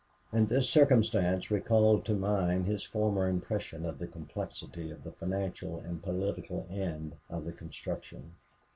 And this circumstance recalled to mind his former impression of the complexity of the financial and political end of the construction.